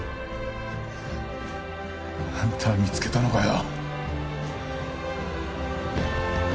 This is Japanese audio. あんたは見つけたのかよ？